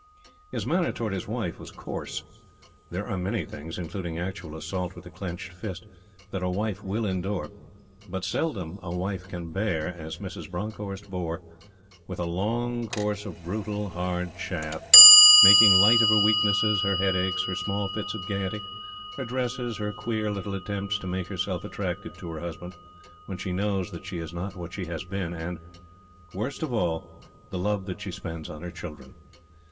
His manner towards his wife was coarse. There are many things including actual assault with the clenched fist that a wife will endure; but seldom a wife can bear as Mrs. Bronckhorst bore with a long course of brutal, hard chaff, making light of her weaknesses, her headaches, her small fits of gayety, her dresses, her queer little attempts to make herself attractive to her husband when she knows that she is not what she has been, and worst of all the love that she spends on her children.